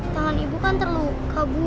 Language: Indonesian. tangan ibu kan terluka bu